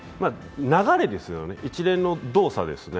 流れですよね、一連の動作ですね。